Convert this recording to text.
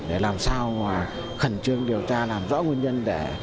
để làm sao khẩn trương điều tra làm rõ nguyên nhân